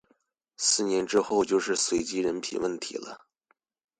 四年之後就是隨機人品問題了